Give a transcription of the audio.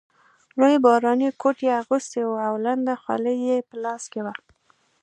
لوی باراني کوټ یې اغوستی وو او لنده خولۍ یې په لاس کې وه.